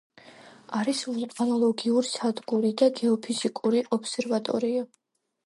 არის ვულკანოლოგიური სადგური და გეოფიზიკური ობსერვატორია.